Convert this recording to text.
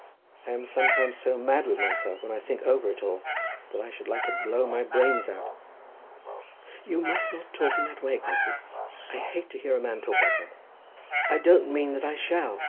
I am sometimes so mad with myself when I think over it all, that I should like to blow my brains out." "You must not talk in that way, Crosbie. I hate to hear a man talk like that." "I don't mean that I shall.